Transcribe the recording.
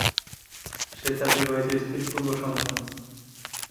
সে তার বিবাহিত স্ত্রীর পূর্ব সন্তান।